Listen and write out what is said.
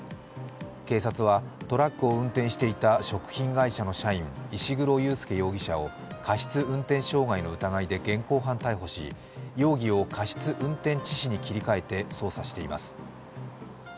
警察はトラックを運転していた食品会社の社員、石黒佑介容疑者を過失運転傷害の疑いで現行犯逮捕し、容疑を過失運転致死に切り替えて捜査しています。